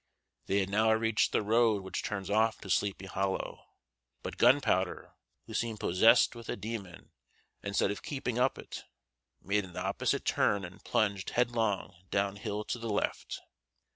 They had now reached the road which turns off to Sleepy Hollow; but Gunpowder, who seemed possessed with a demon, instead of keeping up it, made an opposite turn and plunged headlong down hill to the left.